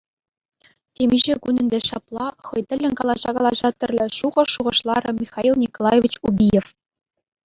Темиҫе кун ӗнтӗ ҫапла хӑй тӗллӗн калаҫа-калаҫа тӗрлӗ шухӑш шухӑшларӗ Михаил Николаевич Убиев.